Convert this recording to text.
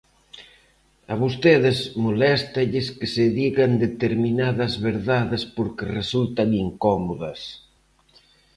A vostedes moléstalles que se digan determinadas verdades porque resultan incómodas.